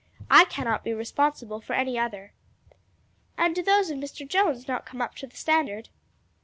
I cannot be responsible for any other." "And do those of Mr. Jones not come up to the standard?"